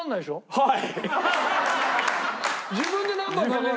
はい。